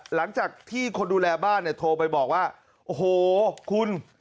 หลังจากที่คนดูแลบ้านเนี่ยโทรไปบอกว่าโอ้โหคุณ